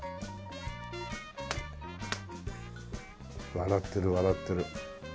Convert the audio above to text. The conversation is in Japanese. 笑ってる笑ってる。